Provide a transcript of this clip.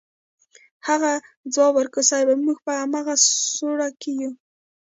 هغې ځواب ورکړ صيب موږ په امغه سوړه کې يو.